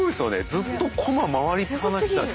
ずっとコマ回りっ放しだし。